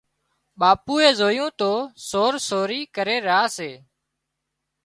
ٻاپوئي زويون تو سور سوري ڪري را سي